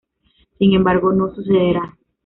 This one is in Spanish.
Sin embargo, no sucederá.